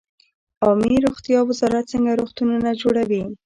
عامې روغتیا وزارت څنګه روغتونونه جوړوي؟